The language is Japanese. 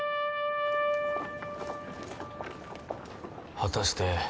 果たして